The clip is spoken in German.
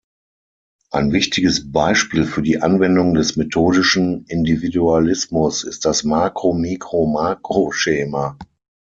Ein wichtiges Beispiel für die Anwendung des methodischen Individualismus ist das Makro-Mikro-Makro-Schema.